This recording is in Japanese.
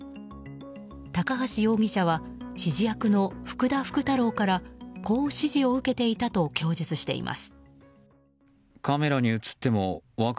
高橋容疑者は指示役の福田福太郎からこう指示を受けていたと供述しています。